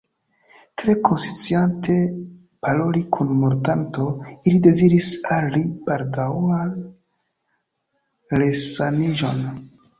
Tre konsciante paroli kun mortanto, ili deziris al li baldaŭan resaniĝon.